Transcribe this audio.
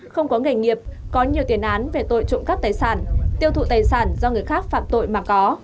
không có nghề nghiệp có nhiều tiền án về tội trộm cắp tài sản tiêu thụ tài sản do người khác phạm tội mà có